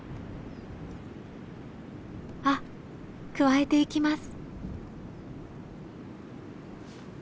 あっくわえていきます。